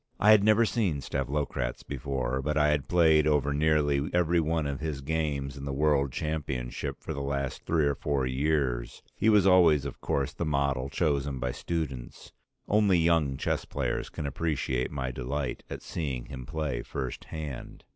I had never seen Stavlokratz before, but I had played over nearly every one of his games in the World Championship for the last three or four years; he was always of course the model chosen by students. Only young chess players can appreciate my delight at seeing him play first hand.